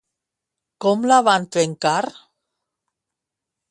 Com la van trencar?